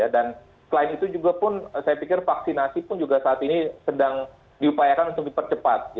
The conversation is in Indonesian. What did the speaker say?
dan selain itu juga pun saya pikir vaksinasi pun juga saat ini sedang diupayakan untuk dipercepat